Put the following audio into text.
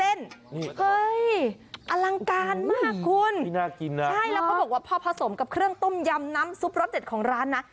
เฮ้ยอลังการมากคุณนี่น่ากินนะใช่แล้วเขาบอกว่าพอผสมกับเครื่องต้มยำน้ำซุปรสเด็ดของร้านนะ